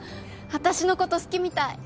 あたしのこと好きみたい。